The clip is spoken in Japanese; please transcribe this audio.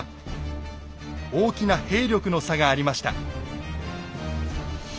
大きな兵力の差がありました。